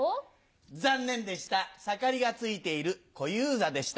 残念でしたさかりがついている小遊三でした。